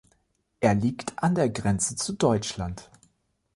Er liegt an der Grenze zu Deutschland.